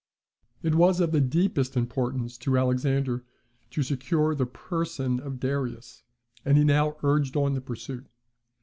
It was of the deepest importance to Alexander to secure the person of Darius, and he now urged on the pursuit.